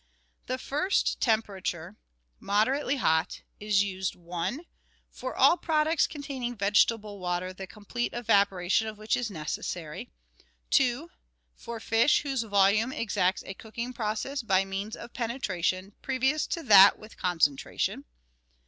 The first temperature, " moderately hot," is used (i) for all products containing vegetable water the complete evaporation of which is necessary; (2) for fish whose volume exacts a cook ing process by means of penetration, previous to that with con centration.